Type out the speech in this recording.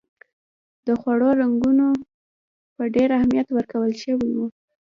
د خوړو رنګونو ته ډېر اهمیت ورکول شوی و.